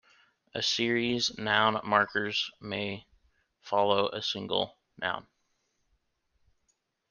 A series noun markers may follow a single noun.